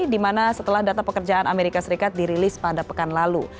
di mana setelah data pekerjaan amerika serikat dirilis pada pekan lalu